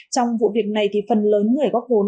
trong vụ việc này thì phần lớn người góp vốn